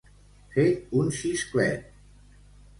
Fer un xisclet.